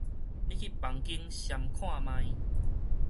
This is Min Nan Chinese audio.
你去房間䀐看覓